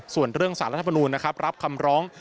ส่วนเรื่องสารรัฐมนูลนะครับรับคำร้อง